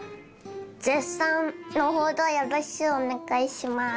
絶賛のほどよろしゅうお願いします。